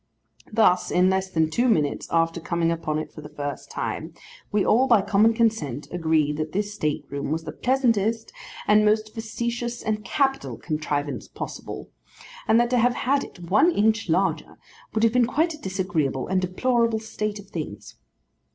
Thus, in less than two minutes after coming upon it for the first time, we all by common consent agreed that this state room was the pleasantest and most facetious and capital contrivance possible; and that to have had it one inch larger, would have been quite a disagreeable and deplorable state of things.